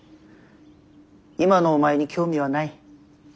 今のお前に興味はない。